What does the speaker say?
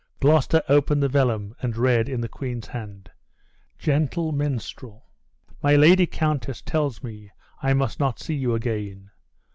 Gloucester opened the vellum, and read, in the queen's hand: "Gentle minstrel! my lady countess tells me I must not see you again.